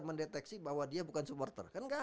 mendeteksi bahwa dia bukan supporter kan gak